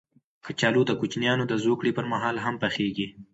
کچالو د کوچنیانو د زوکړې پر مهال هم پخېږي